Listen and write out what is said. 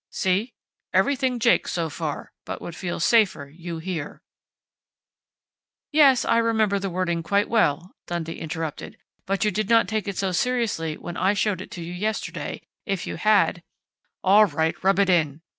"See: 'Everything Jake so far, but would feel safer you here '" "Yes, I remember the wording quite well," Dundee interrupted. "But you did not take it so seriously when I showed it to you yesterday. If you had " "All right! Rub it in!"